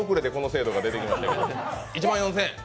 １万４０００円。